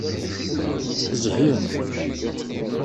Tezhiḍ.